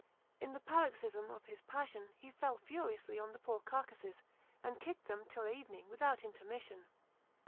In the paroxysm of his passion he fell furiously on the poor carcases, and kicked them till evening without intermission.